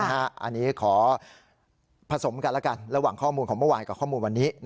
อันนี้ขอผสมกันแล้วกันระหว่างข้อมูลของเมื่อวานกับข้อมูลวันนี้